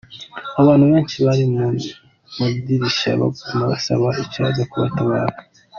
Abantu benshi bari mu madirisha baguma basaba icoza kubatabara.